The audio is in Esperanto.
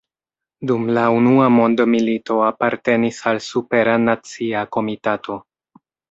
Dum la unua mondmilito apartenis al Supera Nacia Komitato.